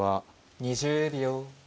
２０秒。